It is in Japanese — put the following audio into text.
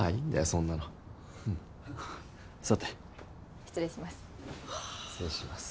そんなの座って失礼します